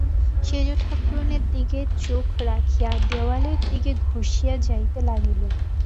সেজ ঠাকরুনের দিকে চোখ রাখিয়া দেওয়ালের দিকে ঘোষিয়া যাইতে লাগিল।